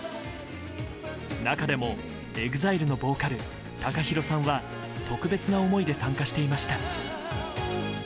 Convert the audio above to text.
中でも、ＥＸＩＬＥのボーカルＴＡＫＡＨＩＲＯさんは特別な思いで参加していました。